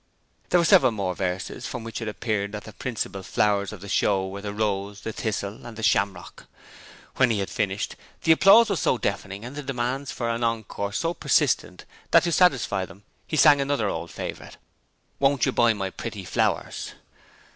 There were several more verses, from which it appeared that the principal flowers in the Show were the Rose, the Thistle and the Shamrock. When he had finished, the applause was so deafening and the demands for an encore so persistent that to satisfy them he sang another old favourite 'Won't you buy my pretty flowers?'